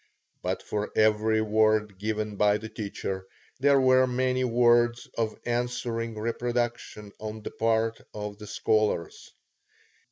But for every word given by the teacher, there were many words of answering reproduction on the part of the scholars.